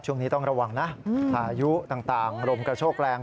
ช่วงนี้ต้องระวังนะพายุต่างลมกระโชกแรง